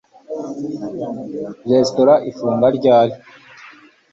Restaurant ifunga ryari